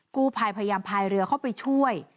กู้ภัยพยายามพายเรือเข้าไปช่วย